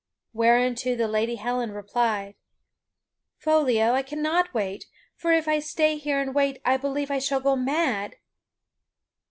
Whereunto the Lady Helen replied: "Foliot, I cannot wait, for if I stay here and wait I believe I shall go mad."